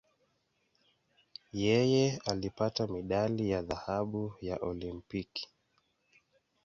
Yeye alipata medali ya dhahabu ya Olimpiki.